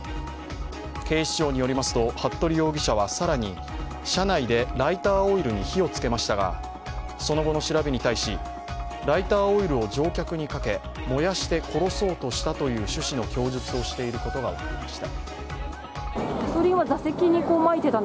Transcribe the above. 警視庁によりますと、服部容疑者は更に車内でライターオイルに火を付けましたが、その後の調べに対し、ライターオイルを乗客にかけ、燃やして殺そうとしたという趣旨の供述をしていることが分かりました。